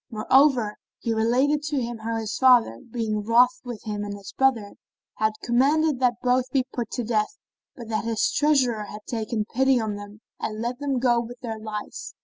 Moreover, he related to him how his father, being wroth with him and his brother, had commended that both be put to death, but that his treasurer had taken pity on them and let them go with their lives.